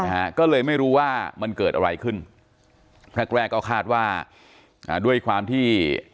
นะฮะก็เลยไม่รู้ว่ามันเกิดอะไรขึ้นแรกแรกแรกก็คาดว่าอ่าด้วยความที่